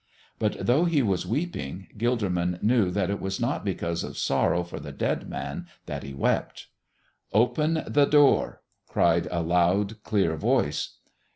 But though He was weeping, Gilderman knew that it was not because of sorrow for the dead man that He wept. "Open the door!" cried a loud, clear voice.